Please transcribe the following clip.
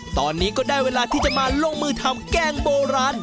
ตอนนี้ก็ได้เวลาที่จะมาลงมือทำแกงโบราณ